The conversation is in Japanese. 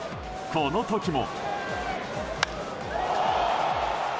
この時も。